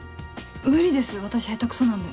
無理です私下手クソなんで。